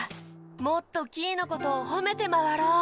もっとキイのことをほめてまわろう！